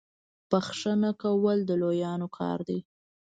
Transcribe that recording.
بخښنه کول د لویانو کار دی.